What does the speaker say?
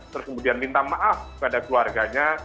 terus kemudian minta maaf pada keluarganya